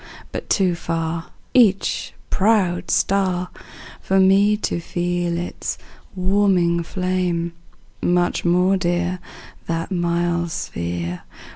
But too far Each proud star, For me to feel its warming flame; Much more dear That mild sphere.